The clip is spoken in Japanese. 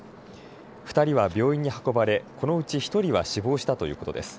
２人は病院に運ばれこのうち１人は死亡したということです。